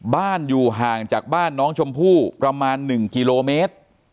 อยู่ห่างจากบ้านน้องชมพู่ประมาณ๑กิโลเมตร